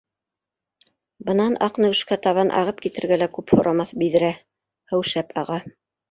Бынан Аҡнөгөшкә табан ағып китергә лә күп һорамаҫ биҙрә, һыу шәп аға